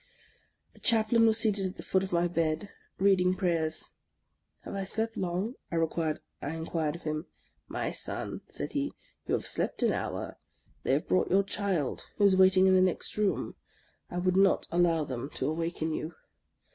The Chaplain was seated at the foot of my bed, reading prayers. " Have I slept long? " I inquired of him. " My son," said he, " you have slept an hour. They have brought your child, who is waiting in the next room ; I would not allow them to awaken you."